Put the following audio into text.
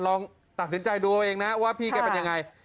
ลองตัดสินใจดูเอาเองนะว่าพี่แกเป็นยังไง